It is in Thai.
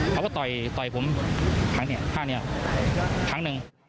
เขาก็ต่อยผมทั้งนี้ทั้ง๑